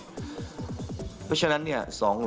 เพราะฉะนั้นเนี่ย